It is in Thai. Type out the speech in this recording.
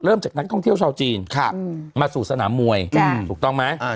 เริ่มจากนักท่องเที่ยวชาวจีนครับอืมมาสู่สนามมวยอืมถูกต้องไหมอ่า